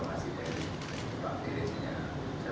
yang positifnya di deklarer pak